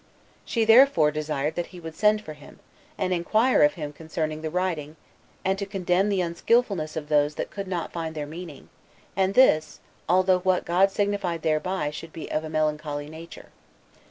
She therefore desired that he would send for him, and inquire of him concerning the writing, and to condemn the unskilfulness of those that could not find their meaning, and this, although what God signified thereby should be of a melancholy nature.